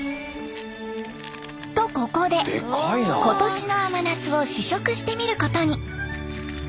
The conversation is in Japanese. とここで今年の甘夏を試食してみることに。